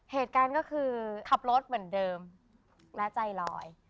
เหตุการณ์ก็คือขับรถเหมือนเดิมและใจลอย